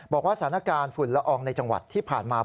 บอกว่าสถานการณ์ฝุ่นละอองในจังหวัดที่ผ่านมา